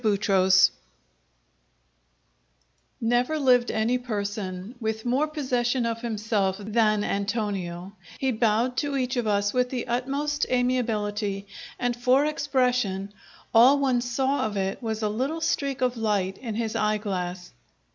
Chapter Eight Never lived any person with more possession of himself than Antonio; he bowed to each of us with the utmost amiability; and for expression all one saw of it was a little streak of light in his eye glass.